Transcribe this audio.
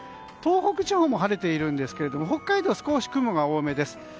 東北地方も晴れているんですが北海道は少し雲が多めです。